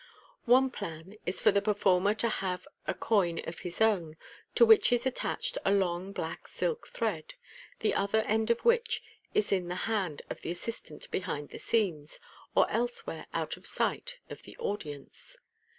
One plan is for the performer to have a coin of his own, to which is attached a long black silk thread, the other end of which is in the hand of an assistant behind the scenes, or elsewhere out of sight of the audience.